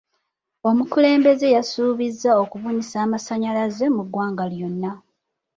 Omukulembeze yasuubiza okubunisa amasannyalaze mu ggwanga lyonna.